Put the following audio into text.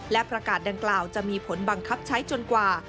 และประกาศดังกล่าวจะมีผลบังคับใช้จนกว่า